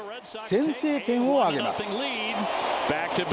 先制点を挙げます。